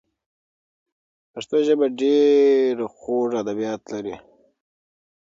پښتو ژبه ډېر خوږ ادبیات لري.